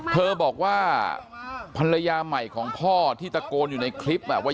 เธอบอกว่าภรรยาใหม่ของพ่อที่ตะโกนอยู่ในคลิปว่า